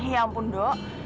ya ampun dok